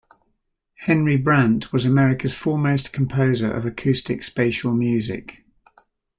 Henry Brant was America's foremost composer of acoustic spatial music.